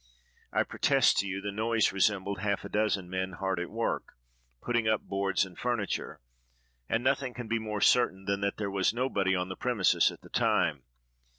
I protest to you, the noise resembled half a dozen men hard at work, putting up boards and furniture; and nothing can be more certain than that there was nobody on the premises at the time.